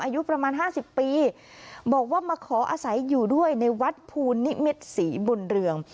อายุประมาณ๕๐ปีบอกว่ามาขออาศัยอยู่ด้วยในวัดภูนิมิตรศรีบุญเรือง